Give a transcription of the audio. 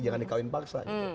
jangan dikauin paksa